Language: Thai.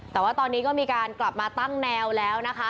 แต่ว่าตอนนี้ก็มีการกลับมาตั้งแนวแล้วนะคะ